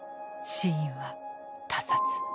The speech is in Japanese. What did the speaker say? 死因は「他殺」。